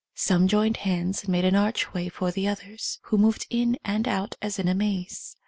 Some joined hands and made an archway for the others, who moved in and out as in a maze.